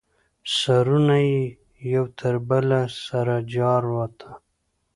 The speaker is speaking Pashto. سرونه یې یو تر بله سره جارواته.